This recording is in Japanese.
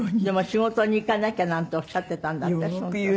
「でも仕事に行かなきゃ」なんておっしゃってたんだって？